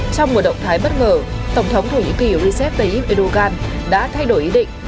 trong một động thái bất ngờ tổng thống thổ nhĩ kỳ recep tayyip erdogan đã thay đổi ý định